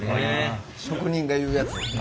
職人が言うやつ。